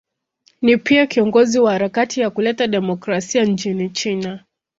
Ni pia kiongozi wa harakati ya kuleta demokrasia nchini China.